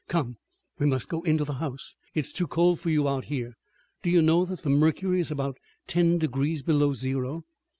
Come, we must go in the house. It's too cold for you out here. Do you know that the mercury is about ten degrees below zero."